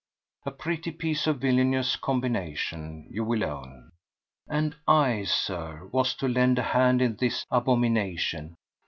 A pretty piece of villainous combination, you will own! And I, Sir, was to lend a hand in this abomination!